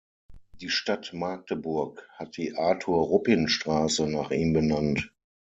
Die Stadt Magdeburg hat die "Arthur-Ruppin-Straße" nach ihm benannt.